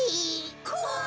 こわい！